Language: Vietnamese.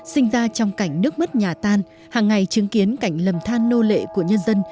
sinh ra trong cảnh nước mất nhà tan hàng ngày chứng kiến cảnh lầm than nô lệ của nhân dân